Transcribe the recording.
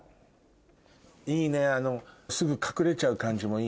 いいねすぐ隠れちゃう感じもいいね。